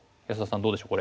どうでしょうこれ。